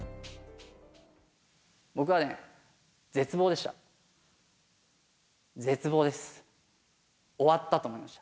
僕はね、絶望でした。